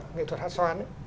nghệ thuật hát xoan